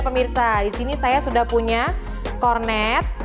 pemirsa disini saya sudah punya kornet